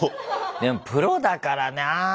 でもプロだからなぁ。